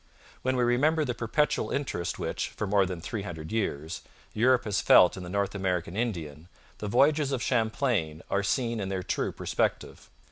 When we remember the perpetual interest which, for more than three hundred years, Europe has felt in the North American Indian, the Voyages of Champlain are seen in their true perspective.